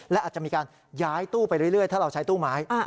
และอาจจะมีการย้ายตู้ไปเรื่อยถ้าเราใช้ตู้ไม้